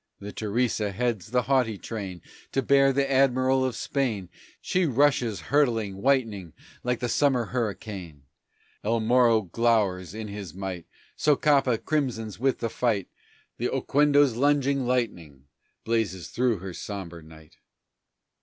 The Teresa heads the haughty train To bear the Admiral of Spain, She rushes, hurtling, whitening, like the summer hurricane; El Morro glowers in his might; Socapa crimsons with the fight, The Oquendo's lunging lightning blazes through her sombre night.